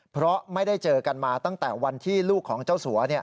เพราะไม่ได้เจอกันมาตั้งแต่วันที่ลูกของเจ้าสัว